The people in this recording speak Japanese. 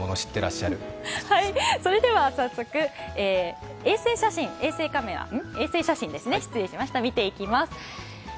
それでは早速、衛星写真を見ていきます。